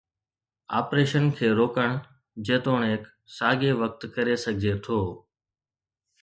Operation کي روڪڻ، جيتوڻيڪ، ساڳئي وقت ڪري سگهجي ٿو.